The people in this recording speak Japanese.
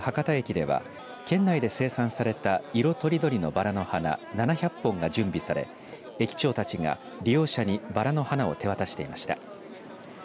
福岡市のＪＲ博多駅では県内で生産された色とりどりのばらの花７００本が準備され、駅長たちが利用者にばらの花を手渡していました。